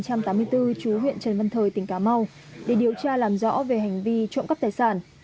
chú huyện trần văn thời tỉnh cá mau để điều tra làm rõ về hành vi trộm cắp tài sản